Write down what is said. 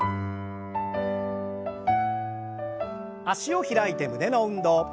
脚を開いて胸の運動。